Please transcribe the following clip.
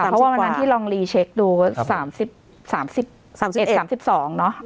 เพราะว่าเมื่อนั้นที่ลองรีเช็คดูสามสิบสามสิบสามสิบเอ็ดสามสิบสองเนอะ